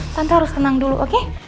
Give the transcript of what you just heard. tante harus tenang dulu oke